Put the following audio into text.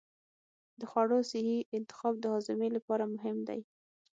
د خوړو صحي انتخاب د هاضمې لپاره مهم دی.